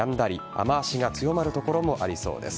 雨脚が強まる所もありそうです。